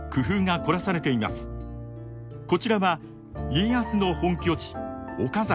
こちらは家康の本拠地岡崎。